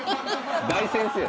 大先生だ。